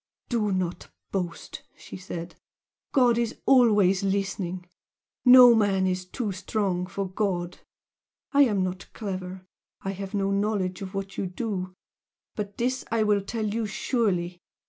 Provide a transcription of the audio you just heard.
"Do not boast!" she said "God is always listening! No man is too strong for God! I am not clever I have no knowledge of what you do but this I will tell you surely!